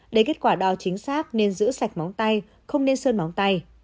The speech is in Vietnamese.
để kết quả đo chính xác nên giữ sạch móng tay không nên sơn móng tay